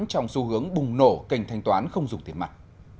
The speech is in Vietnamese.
trong xu hướng bùng nổ kênh thanh toán không dùng tiền mặt